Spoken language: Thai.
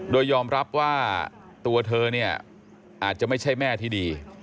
โดยยอมรับว่าตัวเธอเนี่ยอาจจะไม่ใช่แม่ที่ดี